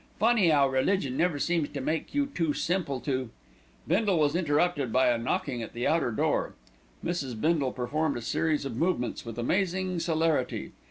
Funny 'ow religion never seems to make you too simple to " Bindle was interrupted by a knocking at the outer door. Mrs. Bindle performed a series of movements with amazing celerity.